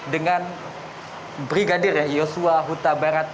dengan brigadir riosuah kota barat